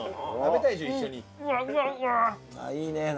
いいね。